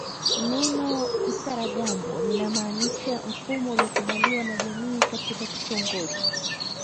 Neno msaragambo linamaanisha mfumo uliokubaliwa na jamii katika kitongoji